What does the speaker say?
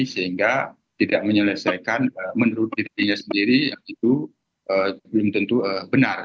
sehingga tidak menyelesaikan menurut dirinya sendiri yang itu belum tentu benar